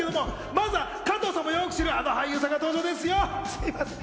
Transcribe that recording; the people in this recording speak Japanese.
加藤さんもよく知る、あの俳優さんが登場ですよ。